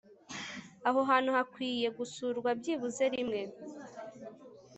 aho hantu hakwiye gusurwa byibuze rimwe